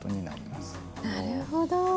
なるほど。